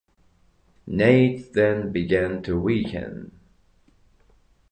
Nate then began to weaken.